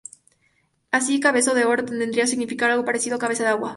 Así, ""Cabezón de Oro"" vendría a significar algo parecido a "Cabezo de Aguas".